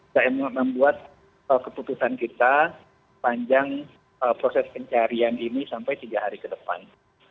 saya membuat keputusan kita panjang proses pencarian ini sampai tiga hari ke depan